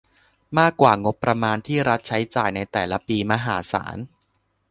มากกว่างบประมาณที่รัฐใช้จ่ายในแต่ละปีมหาศาล